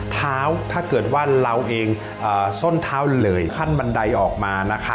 เท้าถ้าเกิดว่าเราเองส้นเท้าเหลยขั้นบันไดออกมานะคะ